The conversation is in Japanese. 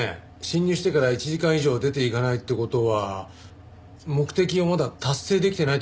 侵入してから１時間以上出ていかないって事は目的をまだ達成できてないって事なんでしょうか？